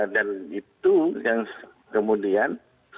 dan itu yang kemudian